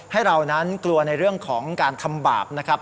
ให้เรานั้นกลัวในเรื่องของการทำบาปนะครับ